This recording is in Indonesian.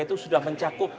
itu sudah mencakup